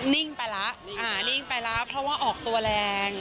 นิ่งไปแล้วเพราะว่าออกตัวแรง